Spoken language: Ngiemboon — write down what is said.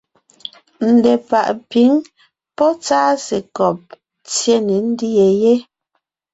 Ndepàʼ pǐŋ pɔ́ tsásekɔb tsyé ne ńdyê yé.